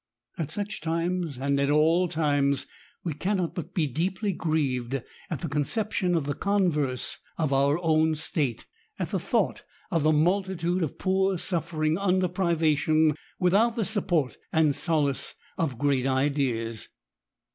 At such times, and at all times, we cannot but be deeply grieved at the conception of the converse of our own state, at the thought of the multitude of poor suffering under privation, without the support and solace of great ideas.